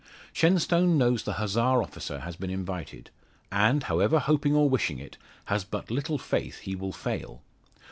Shenstone knows the Hussar officer has been invited; and, however hoping or wishing it, has but little faith he will fail.